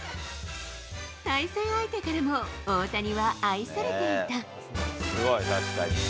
対戦相手からも、大谷は愛されていた。